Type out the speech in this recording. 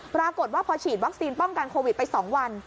ปรากฏว่าพอฉีดวัคซีนป้องกันโควิดไป๒วัน